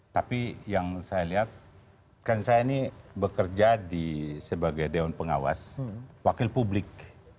tapi yang saya lihat kan saya ini bekerja sebagai dewan pengawas wakil publik